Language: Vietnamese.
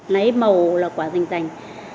lấy màu là quả danh danh